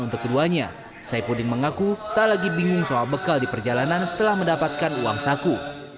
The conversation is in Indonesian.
untuk keduanya saipudin mengaku tak lagi bingung soal bekal di perjalanan setelah mendapatkan uang saku